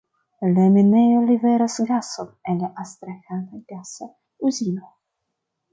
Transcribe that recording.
La minejo liveras gason al la Astraĥana gasa uzino.